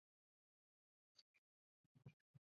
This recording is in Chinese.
数码排字令它们蓬勃复苏。